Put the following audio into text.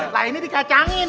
lah ini dikacangin